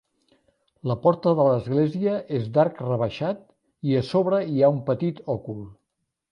La porta de l'església és d'arc rebaixat i a sobre hi ha un petit òcul.